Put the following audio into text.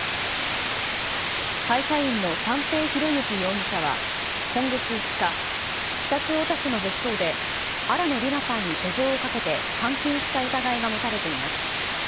会社員の三瓶博幸容疑者は、今月５日、常陸太田市の別荘で、新野りなさんに手錠をかけて監禁した疑いが持たれています。